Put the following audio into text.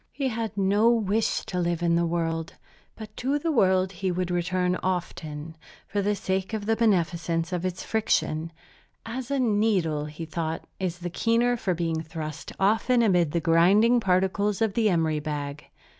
He had no wish to live in the world; but to the world he would return often, for the sake of the beneficence of its friction, as a needle, he thought, is the keener for being thrust often amid the grinding particles of the emery bag.